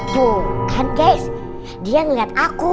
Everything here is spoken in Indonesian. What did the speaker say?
tuh kan guys dia ngeliat aku